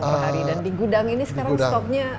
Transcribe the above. dan di gudang ini sekarang stoknya